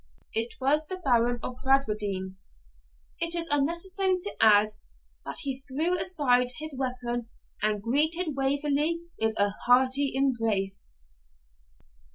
It was the Baron of Bradwardine. It is unnecessary to add, that he threw aside his weapon and greeted Waverley with a hearty embrace.